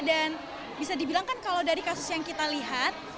dan bisa dibilang kan kalau dari kasus yang kita lihat